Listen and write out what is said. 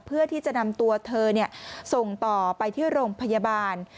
เพื่อที่จะนำตัวเธอส่งต่อไปที่โรงพยาบาล